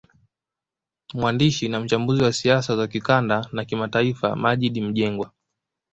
Mwandishi na mchambuzi wa siasa za kikanda na kimataifa Maggid Mjengwa